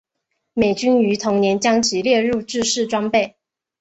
美军于同年将其列入制式装备。